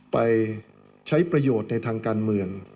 ไปใช้ประโยชน์ในทางการเมือง